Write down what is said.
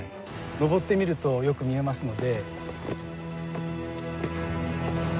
上ってみるとよく見えますので。